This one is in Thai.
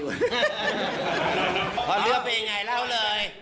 เวลาเลือกเปลี่ยนไงเล่าเลย